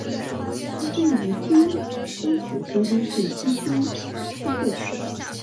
出身于京都府京都市西京区桂。